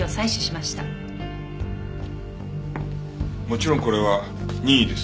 もちろんこれは任意です。